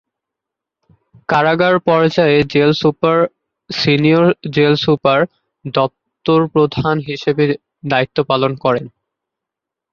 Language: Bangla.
কারাগার পর্যায়ে জেল সুপার/সিনিয়র জেল সুপার দপ্তর প্রধান হিসেবে দায়িত্ব পালন করেন।